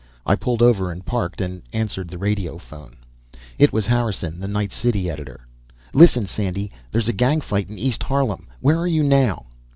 I pulled over and parked and answered the radiophone. It was Harrison, the night City Editor. "Listen, Sandy, there's a gang fight in East Harlem. Where are you now?"